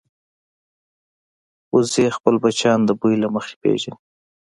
وزې خپل بچیان د بوی له مخې پېژني